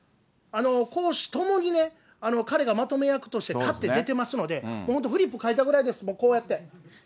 攻守ともに彼がまとめ役としてかって出てますので、本当フリップ書いたぐらいです、こうやって。